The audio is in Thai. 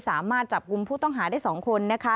สามารถจับกลุ่มผู้ต้องหาได้๒คนนะคะ